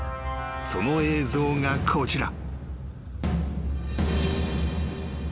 ［その映像がこちら］